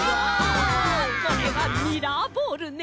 これはミラーボールね。